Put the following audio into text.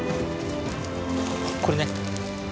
これね。